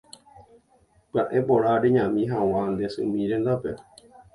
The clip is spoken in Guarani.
Pya'e porã rejami hag̃ua nde symi rendápe